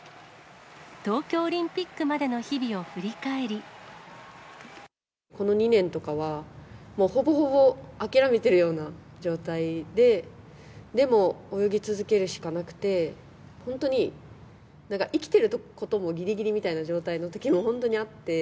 東京オリンピックまでの日々を振この２年とかは、もうほぼほぼ諦めてるような状態で、でも、泳ぎ続けるしかなくて、本当に、なんか生きてることもぎりぎりみたいな状態のときも本当にあって。